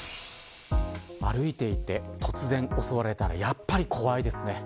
歩いていて突然襲われたらやっぱり怖いですね。